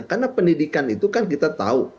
karena pendidikan itu kan kita tahu